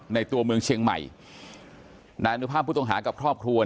ตัวเมืองเชียงใหม่นายอนุภาพผู้ต้องหากับครอบครัว